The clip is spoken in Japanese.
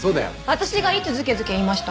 私がいつズケズケ言いました？